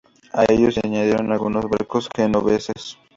A ellos se añadieron algunos barcos genoveses.